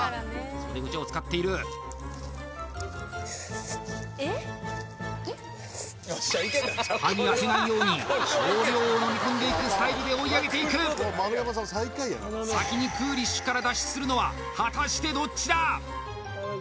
袖口を使っている歯に当てないように少量を飲み込んでいくスタイルで追い上げていく先にクーリッシュから脱出するのは果たしてどっちだ！？